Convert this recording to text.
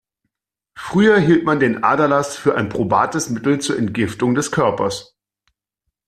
Früher hielt man den Aderlass für ein probates Mittel zur Entgiftung des Körpers.